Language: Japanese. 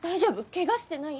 ケガしてない？